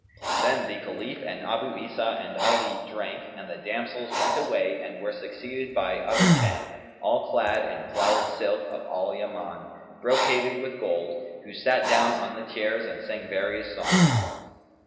"[FN#217] Then the Caliph and Abu Isa and Ali drank and the damsels went away and were succeeded by other ten, all clad in flowered silk of Al Yaman, brocaded with gold, who sat down on the chairs and sang various songs.